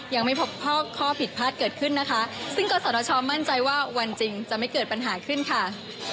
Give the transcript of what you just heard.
ยังไม่พบข้อผิดพลาดเกิดขึ้นนะคะซึ่งกศชมั่นใจว่าวันจริงจะไม่เกิดปัญหาขึ้นค่ะ